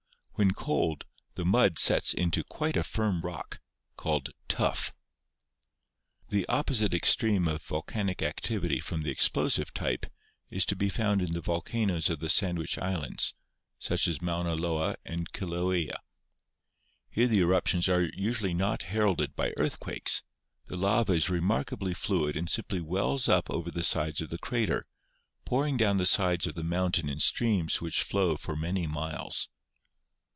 When cold, the mud sets into quite a firm rock, called 'tuff.' The opposite extreme of volcanic activity from the ex plosive type is to be found in the volcanoes of the Sand wich Islands, such as Mauna Loa and Kilauea. Here the eruptions are usually not heralded by earthquakes; the lava is remarkably fluid and simply wells up over the sides of the crater, pouring down the sides of the mountain in streams which flow for many miles.